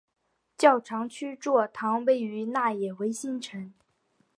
教长区座堂位于维也纳新城。